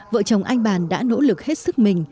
vợ chồng anh bàn đã nỗ lực hết sức mình